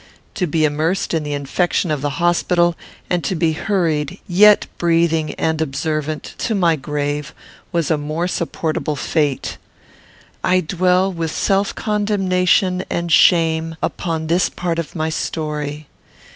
To be immersed in the infection of the hospital, and to be hurried, yet breathing and observant, to my grave, was a more supportable fate. I dwell, with self condemnation and shame, upon this part of my story.